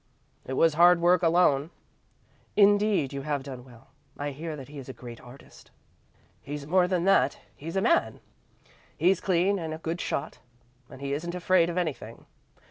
"It was hard work, alone." "Indeed you have done well. I hear that he is a great artist." "He's more than that he's a man. He's clean and a good shot, and he isn't afraid of anything.